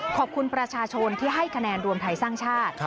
ขอบคุณประชาชนที่ให้คะแนนรวมไทยสร้างชาติ